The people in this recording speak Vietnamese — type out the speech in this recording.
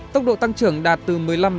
tốc độ tăng trưởng đạt từ một mươi năm hai mươi